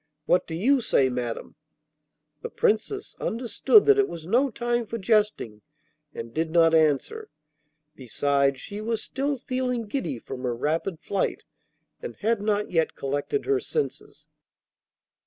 What do you say, madam?' The Princess understood that it was no time for jesting, and did not answer. Besides she was still feeling giddy from her rapid flight, and had not yet collected her senses.